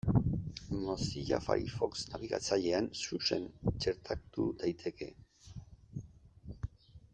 Mozilla Firefox nabigatzailean Xuxen txertatu daiteke.